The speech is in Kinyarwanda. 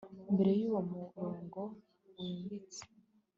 Mbere yuwo murongo wimbitse